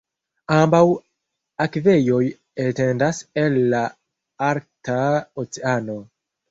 Ambaŭ akvejoj etendas el la Arkta Oceano.